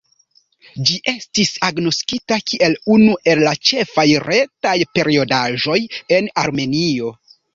Ĝi estis agnoskita kiel unu el la ĉefaj retaj periodaĵoj en Armenio.